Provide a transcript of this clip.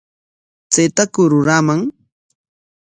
¿Chaytaku ruraaman?